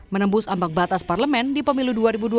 menembus ambang batas parlemen di pemilu dua ribu dua puluh